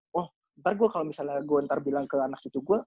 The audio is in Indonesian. wah barang gue kalo misalnya gue ntar bilang ke anak itu gue